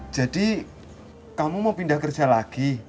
jadi kamu mau pindah kerja lagi